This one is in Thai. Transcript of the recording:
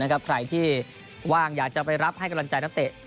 ใครที่ว่างอยากจะไปรับให้กำลังใจนักเตะ